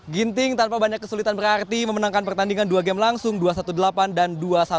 ginting tanpa banyak kesulitan berarti memenangkan pertandingan dua game langsung dua satu delapan belas dan dua satu